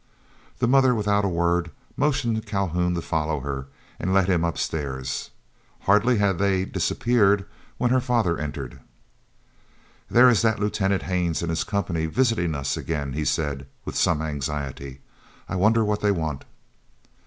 The mother, without a word, motioned Calhoun to follow her, and led him upstairs. Hardly had they disappeared when her father entered. "There is that Lieutenant Haines and his company visiting us again," he said, with some anxiety. "I wonder what they want."